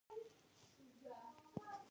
د خلکو سپکاوی کول واک لرزوي.